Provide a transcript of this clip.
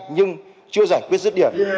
nhưng chưa giải quyết rất điểm